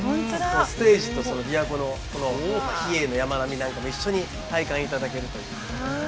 ステージとびわ湖のこの比叡の山並みなんかも一緒に体感いただけるという。